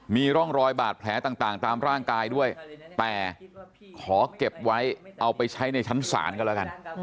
มีร่องรอยบาดแผลต่างตามร่างกายด้วยแต่ขอเก็บไว้เอาไปใช้ในชั้นศาลกันแล้วกัน